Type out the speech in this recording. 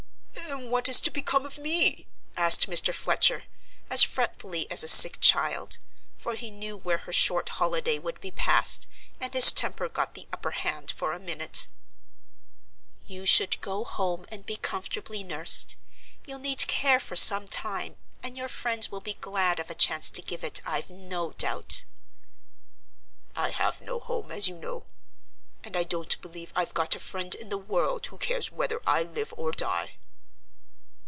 "And what is to become of me?" asked Mr. Fletcher, as fretfully as a sick child; for he knew where her short holiday would be passed, and his temper got the upper hand for a minute. "You should go home and be comfortably nursed: you'll need care for some time; and your friends will be glad of a chance to give it I've no doubt." "I have no home, as you know; and I don't believe I've got a friend in the world who cares whether I live or die."